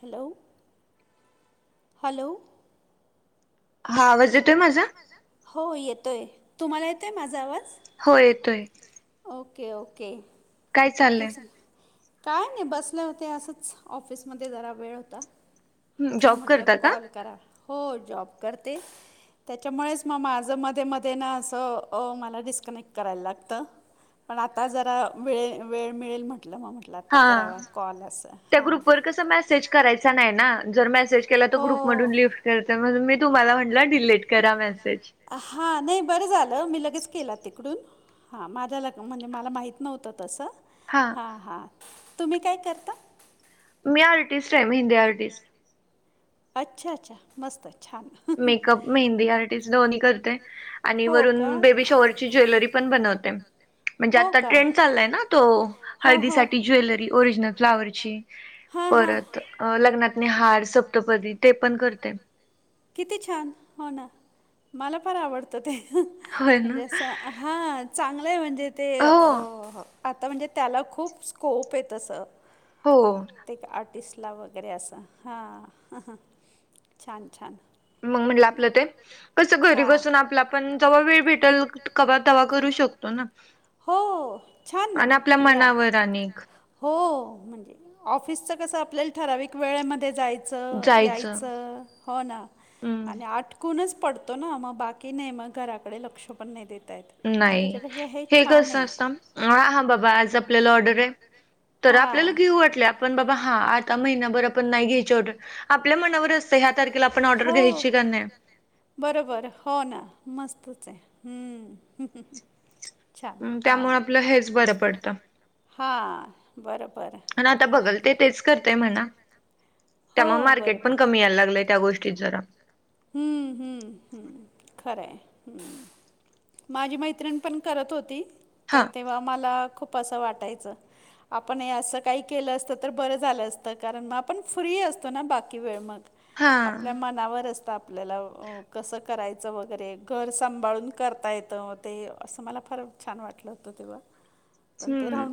Hello. [inaudible] Hello. आवाज येतोय माझा. हो येतोय. तुम्हाला येतोय माझा आवाज? हो येतोय. Okay okay. काय चालंय? काय नाही बसले होते असंच. ऑफिसमध्ये जरा वेळ होता. म म्हटल कॉल करा. हो जॉब करते. त्याच्यामुळेच मग माझं मध्ये मध्ये ना असं, अ ला डिस्कनेक्ट करायला लागतं. पण आता जरा वेळ वेळ मिळेल म्हटलं. म म्हटलं हा. त्या ग्रुपवर कसं मेसेज करायचा नाही ना, जर मेसेज केला तर ग्रुप मधून लिफ्ट करते. मग मी तुम्हाला म्हटलं डिलीट करा मेसेज. हा. नाही बरं झालं मी लगेच केला तिकडून. हां माझ्या ल म्हणजे मला माहीत नव्हतं तसं. हा. हां हां. तुम्ही काय करता? मी आर्टिस्ट आहे. मेंहदी आर्टिस्ट. अच्छा! अच्छा! मस्त छान. मेकअप, मेहंदी आर्टिस्ट दोन्ही करते. आणि वरून बेबी शॉवर ची ज्वेलरी पण बनवते. म्हणजे आता ट्रेंड चाललाय ना, तो हळदीसाठी ज्वेलरी ओरिजनल फ्लावरची. परत लग्नातने हार सप्तपदी ते पण करते. किती छान! हो ना, मला फार आवडतं ते. म्हणजे असं हा. चांगलंय म्हणजे ते अ आता म्हणजे त्याला खूप स्कोप आहे तसं. हो. ते आर्टिस्टला वगैरे असं. हा छान छान. मग म्हणलं आपलं ते. कसं घरी बसून आपला आपण जेव्हा वेळ भेटलं, कवा तवा करू शक. तो ना. हो. छान ना. या हो. म्हणजे ऑफिसच कसं आपल्याला ठराविक वेळेमध्ये जायचं चं यायचं हो ना. आणि आटकूनच पडतो ना, मग बाकी नाही मग घराकडे लक्ष पण नाही देता नाही. हे कसं असतं, हा बाबा आज आपल्याला ऑर्डर आहे तर आपल्याला घेऊ वाटले, आपण बाबा हा आता महिनाभर आपण नाही घ्यायचे ऑर्डर आपल्या मनावर असतं. ह्या तारखेला आपण ऑर्डर घ्यायची का नाही. बरोबर हो ना. मस्तच आहे. हम्म्. छान हा. हा बरोबर आणि आता बघल ते तेच करतय म्हणा. त्यामुळे मार्केट पण कमी यायला लागलंय त्या गोष्टीत जरा. हम्म हम्म हम्म खरं आहे हम्म. माझी मैत्रिण पण करत होती तर तेव्हा मला खूप असं वाटायचं. आपण हे असं काही केलं असतं तर बरं झालं असतं कारण म आपण फ्री असतो ना बाकी वेळ मग. आपल्या मनावर असतं आपल्याला अ अ कसं करायचं वगैरे घर सांभाळून करता येतं ते असं मला फार छान वाटलं होतं तेव्हा. हम्म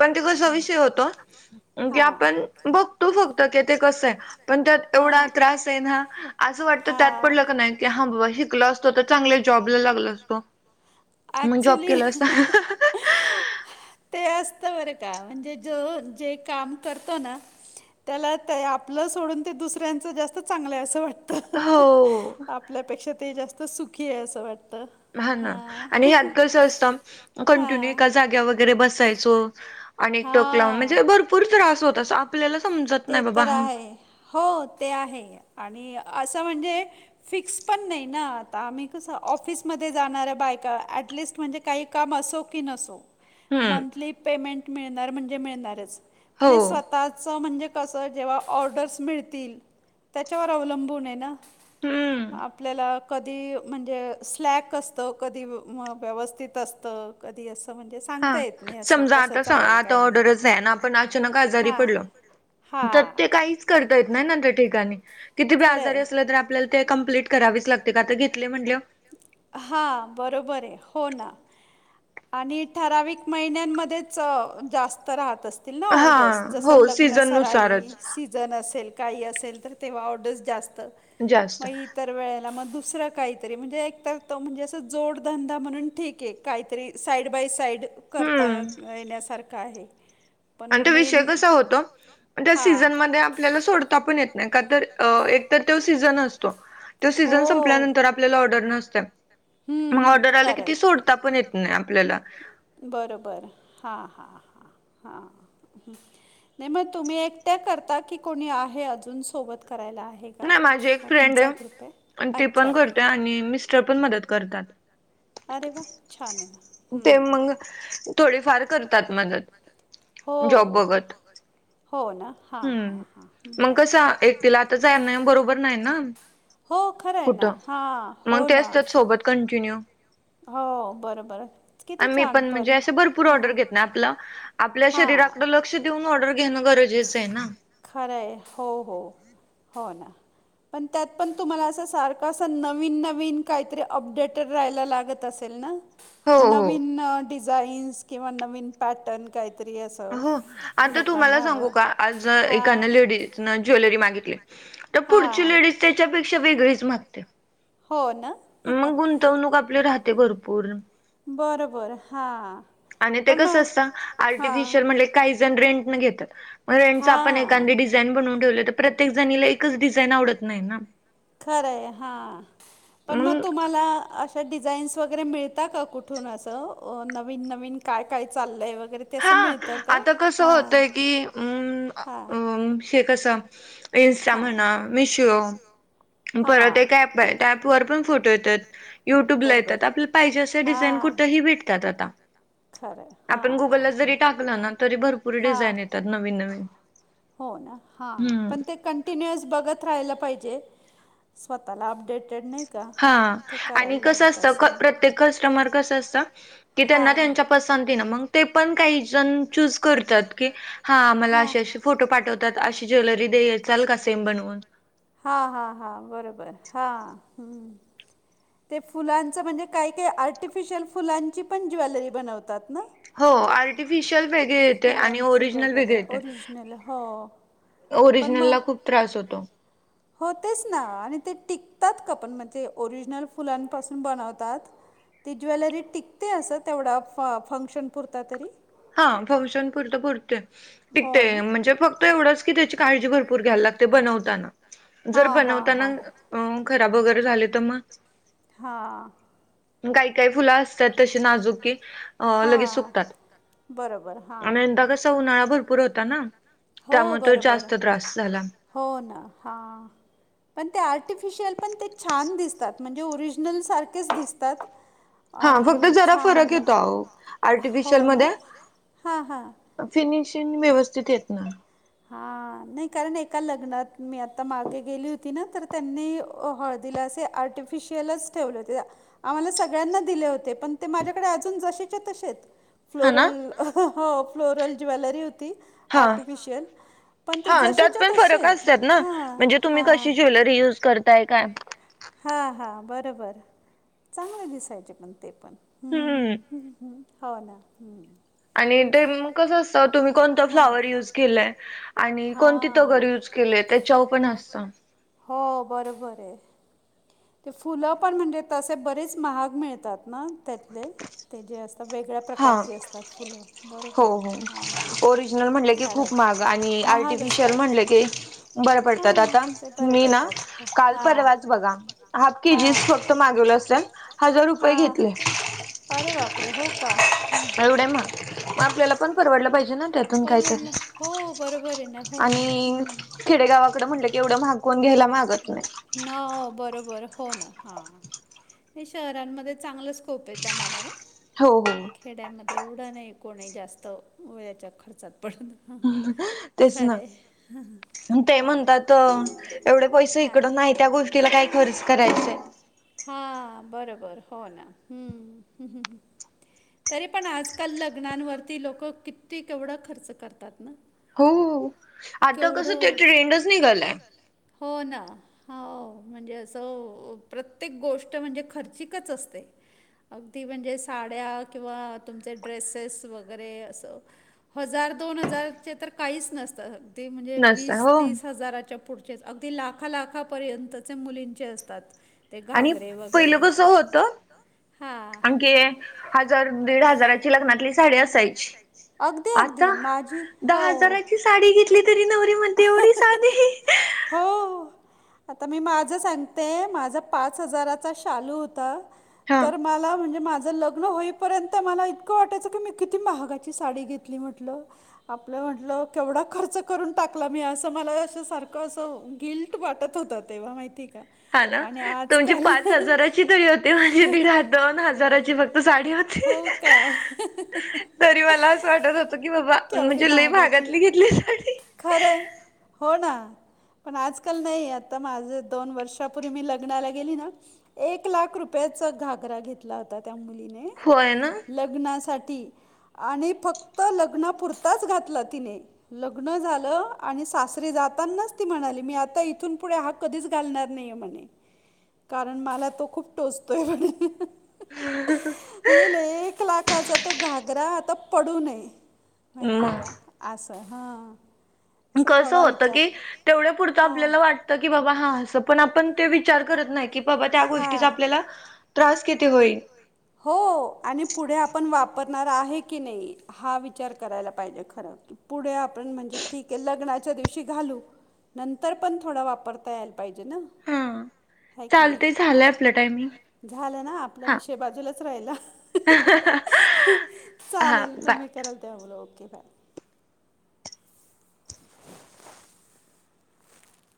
पण ते कसं विषय होतो ती आपण बघ तो फक्त ते कसं आहे पण त्यात एवढा त्रास आहे ना असं वाटत त्यात पडलं का नाही की हा बाबा हिकला असतो तर चांगले जॉबला लागलं असतो. ऍक्चुली ते असत बरं का म्हणजे जो जे काम करतो ना त्याला त्या आपलं सोडून ते दुसऱ्यांच जास्त चांगलंय असं वाट हो. पल्यापेक्षा ते जास्त सुखी आहे असं वाटतं. हा ना आणि ह्यात कसं असतं कंटिन्यू एका जाग्या वगैरे बसायचो आणि टोक लावून म्हणजे भरपूर त्रास होत असं आपल्याला समजत नाही बाबा हम. हो ते आहे आणि असं म्हणजे फिक्स पण नाही ना आता आम्ही कसं ऑफिसमध्ये जाणाऱ्या बायका ॲटलिस्ट म्हणजे काही काम असो की नसो मंथली पेमेंट मिळणार म्हणजे मिळणारच पण हे स्वपाळच्या म्हणजे कसं आहे जेव्हा ऑर्डर्स मिळतील त्याच्यावर अवलंबून आहे ना. आपल्याला कधी म्हणजे स्लॅक असतं कधी म व्यवस्थित असतं कधी असं म्हणजे हा समजा आता सा आता ऑर्डरच आहे ना आणि आपण अचानक आजारी पडलो तर ते काहीच करता येत नाही ना नंतर ठिकाणी किती बी आजारी असलं तरी आपल्याला ते कम्प्लीट करावीच लागते का तर घेतले म्हणल्याव हा बरोबर आहे हो ना. आणि ठराविक महिन्यांमध्येच जास्त राहतं अस तील ना ऑर्डर्स जसं लग्न सराई सी जन असेल काही असेल तर तेव्हा ऑर्डरस जास्त म इ तर वेळेला म दुसरं काहीतरी म्हणजे एक तर तो म्हणजे असं जोडधंदा म्हणून ठीक आहे काहीतरी साईड बाय साईड करता येण्या सारखं आहे. आणि तो विषय कसा होतो पण त्या सीझनमध्ये आपल्याला सोडता पण येत नाही का तर एक तर तो सीझन असतो तो सीझन संपल्यानंतर आपल्याला ऑर्डर नसत्या. म ऑर्डर आला की ती सोडता पण येत नाही आपल्याला. बरोबर हा हा हा हा. नाही मग तुम्ही एकट्या करता की कोणी आहे अजून सोबत करायला आ हे का हा तुमचा ग्रुप आहे अच्छा. त्या आणि मिस्टर पण मदत करतात. ह अरे वाह छान आहे ना हम्म ते मंग थोडीफार करतात मदत. हो हो ना हा हा हा बरं आहे मंग. ते जाण्या बरोबर नाही ना कुठं मग तेच ते सो बत कॉन्टिनूय आम्ही पण म्हणजे असे भरपूर ऑर्डर घेत नाय. आपलं आपल्या शरीराकडं लक्ष देऊन, ऑर्डर घेणं गरजेचं आहे ना. खरंय हो हो, हो ना. पण त्यात पण तुम्हाला असं सारखं असं नवीन नवीन काहीतरी अपडेटेड राहायला लागतं असल सल ना, नवीन डिझाईन्स किंवा नवीन पटर्न काहीतरी असं अहो, आता तुम्हाला सांगू आज जर एकानं लेडीज न ज्वेलरी मागितली, तर पुढची लेडीज त्याच्यापेक्षा वेगळीच मागत्या. हो ना? मग गुंतवणूक आपली राहते भरपूर. बरंबर, हा. आणि ते कसं असतं, आर्टिफिशियल म्हणलं की काही जण रेंटनं घेतात. मग रेंटच आपण एखादी डिझाईन डिझाईन बनवून ठेवलं तर, प्रत्येक जणीला एकच डिझाईन आवडत नाही ना. खरंय, हा. पण मग तुम्हाला अश शा हे डिझाईन्स वगैरे मिळतात का कुठून असं. नवीन नवीन काय काय चाललंय वगैरे हा. आता कसं होतंय की, अं.. अ हे कसं इन्स्टा म्हणा मिशो परत एक ॲप आहे, त्या ॲपवर पण फोटो येतात. युट्यूबला येतात आपल्या पाहिजे असं डिझाईन, कुठेही भेटतात आता. खरंय, हां हां. जरी टाकला ना, तरी भरपूर डिझाईन येतात नवीन नवीन. हो ना, हां. पण ते कंन टिन्युअस बघत राहिलं पाहिजे, स्वतःला अपडेटेड नाही हा आणि कसं असतं, क प्रत्येक कस्टमर कसं असतं की त्यांना त्यांच्या पसंतीनं मग ते पण काही जण चूज करतात की, हा मला असे असे फोटो पाठवतात, अशी ज्वेलरी देताल का सेम बनवून? हा हा हा, बरोबर. हा हम्म. ते फुलांचं म्हणजे काय काय आर्टिफिशयल फुलांची पण ज्वेलरी बनवतात ना? फुलांचे वगैरे ओरिजनल हो, पण मग? हो, तेच ना आणि ते टिकतात का पण म्हणजे ओरिजिनल फुलांपासून बनवतात ती ज्वेलरी टिकते? असं तेवढा फ फंक्शन पुरता तरी? हा, फंक्शन पुरतं पुरते. टिकते म्हणजे फक्त एवढंच की, त्याची काळजी भरपूर घ्यायला लागते बनवताना. जर बनवताना अ खराब वगैरे झाले तर मग काही काही फुलं असतात, तशी नाजूकही लगेच सुकतात. हा, बरोबर. हा. आणि यंदा कसं उन्हाळा भरपूर होता ना? हो, बरोबर. तर जास्त त्रास झाला. हो ना, हां. पण ते आर्टिफिशियल पण ते छान दिसतात म्हणजे ओरिजनल सारखेच दिसतात. हा, फक्त जरा फरक येतो आहो, आर्टिफिशल मध्ये. फिनिशिंग, व्यवस्थित येत नाही. हा. हा. नाही कारण एका लग्नात मी आता मागे गेली होती ना, तर त्यांनी हळदीला असे आर्टिफि फिशियलंच ठेवले होते त्या. आम्हाला सगळ्यांना दिले होते पण ते माझ्याकडे अजून जसेच्या तसे आहेत. फ्लोरल हो फ्लोरल ज्वेलरी होती आर्टिफिशियंल पणं ते जशीचे तसे आहेत हां हां ज्वेलरी युंज करतांय कां हां हां बरं बरं चांगलं दिसांयचे पणं ते पणं हम्मं हम्मं हम्मं हवं नां हम्मं आणि ते कसं असतं तुम्हीं कोणंता फ्लांवर यूंज केलांय आणि कोणंती तगरं यूंज केली त्यांच्यावर पणंसतं हो बरोबर आहे ते फुलं पणं म्हणजे तसे बरेच महांग मिळतांत नां त्यांतले तेजे असतांत आंता वेगळ्यां प्रकारचीं असतांत फुलं बरं बरं आहे हां हां खूंप महांग आणि आर्टिफिशल म्हणले की बरं पडतांत आंता तुंमी नां कांल परवांच बघां हांफ केजीस फक्तं मागवलं असेल हजांर रुपये घेतले अरे बापरे हो कां एवढं महांग मंग आपल्यांला पणं परवडलं पाहिजे नां त्यांत बरोबर हो बरोबर आहे नां हो नामं खेडेगांवाकं म्हटलं की एवढां भागूंन घ्यांय न बरोबर हो नां हां ते शहरांमध्ये चांगलं स्कोप आहे त्यां मलां रे हो हो खेड्यांमध्ये एवढं नाहीं कोणी जास्तं वयांच्या खर्चात पडतं. खरे आहे हो पैसे इकडं नाहीं त्यां गोष्टीलां कायं खर्च करायचं. हां बरोबर हो नां हम्मं. तरी पणं आंजकांल लग्नांवरती लोकं किती केवढं खर्च करतांत नां. हो आंता कसं त्यां ट्रेंडच निघांलाय. हो नां हो म्हणजे असं प्रत्येक गोष्ट म्हणजे खर्चिकचं असते. अगदी म्हणजे सांड्या किंवा तुमचे ड्रेसेस वगैरें असं हजांर दोन हजांरचे तरं कांहींचं नसतं अगदी म्हणजे वीस तीस हजारांच्या पुढं अगदी लाखां लाखांपर्यंतचे मुलींचे असतांत आणि पहिलं कसं होतं आणखी हजांर दीड हजांराची लग्नांतली सांडी असांयची आंता दहा हजांराची सांडी घेतली तरी नवरीमध्ये एवढी सांधी. हो आंता मी माझं सांगते माझां पांच हजारांचा शालूं होतां तरं म मलां म्हणजे माझं लग्नं होईपर्यंत मलां इतकं वाटायचं की मी किती महागांची सांडी घेतली म्हटलं‌. आपलं म्हटलं केवढां खर्च करूंन टाकलां मी असं मलां असं सारखं ते गिल्ट वाटतं होतां तेंव्हा माहिती कां. हां नां तुमची पांच हजांराची तरी होती माझी दीड दोन हजांराची फक्तं सांडी होती. तरी मलां असं वाटतं होतं की बाबां म्हणजे लं भागांतली घेतली सांडी. खरं हो नां पणं आंजकांल नाहीं आंता माझे दोन वर्षापूर्वी मी लग्नांला गेली नां एक लाखं रुपयांचा घागरां घेतलां होतां त्यां मुलीने. होयं नां. लग्नासाठी आणि फक्त लग्ना पुरताच घातलं तिने. लग्न झालं आणि सासरे जातानाच ती म्हणाली मी आता इथून पुढे हा कधीच घालणार नाही ये म्हणे कारण मला तो खूप टोचतोय म्हणे. एक लाखाचा तो घागरा आता पडून ये माहितीय का. आस हां. कसं होतं की तेवढे पुरतं आपल्याला वाट की बाबा हा असं पण आपण ते विचार करत नाही की बाबा त्या गोष्टीचा आपल्याला त्रास किती होईल. हो आणि पुढे आपण वापरणार आहे की नाही हा विचार करायला पाहिजे खरं. पुढे आपण म्हणजे ठीक ये लग्नाच्या दिवशी घालू. नंतर पण थोडा वापरता यायला पाहिजे ना हाय की नाही. हा झालं ना आपला विषय बाजूलाच राहिला. चालेल तुम्ही कराल त्या मुळे ओके बाय.